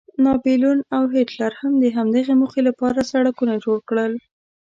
ناپلیون او هیټلر هم د همدغې موخې لپاره سړکونه جوړ کړل.